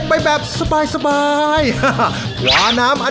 จริงนะ